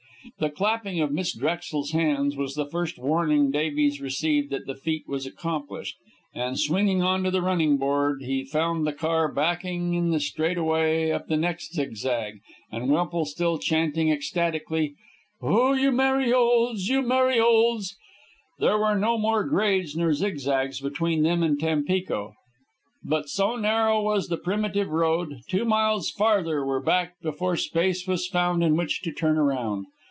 The clapping of Miss Drexel's hands was the first warning Davies received that the feat was accomplished, and, swinging on to the running board, he found the car backing in the straight away up the next zig zag and Wemple still chanting ecstatically, "Oh, you Merry Olds, you Merry Olds!" There were no more grades nor zigzags between them and Tampico, but, so narrow was the primitive road, two miles farther were backed before space was found in which to turn around.